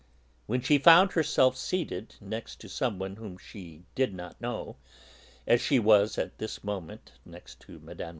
When she found herself seated next to some one whom she did not know, as she was at this moment next to Mme.